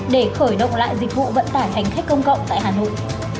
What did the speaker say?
để khởi động lại dịch vụ vận tải hành khách công cộng tại hà nội